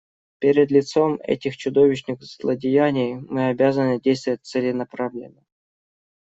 Перед лицом этих чудовищных злодеяний мы обязаны действовать целенаправленно.